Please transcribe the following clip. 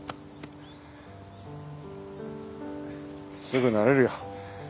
すぐ慣れるよ。